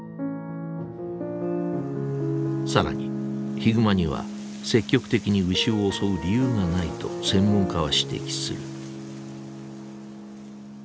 更にヒグマには積極的に牛を襲う理由がないと専門家は指摘する。